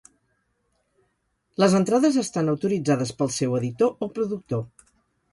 Les entrades estan autoritzades pel seu editor o productor.